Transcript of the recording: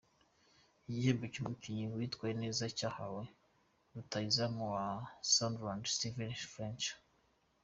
Igihembo cy’umukinnyi witwaye neza cyo cyahawe rutahizamu wa Sunderland ,Steven Fletcher.